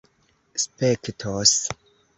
spektos